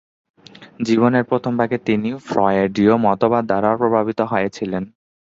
জীবনের প্রথমভাগে তিনি ফ্রয়েডীয় মতবাদ দ্বারা প্রভাবিত হয়েছিলেন।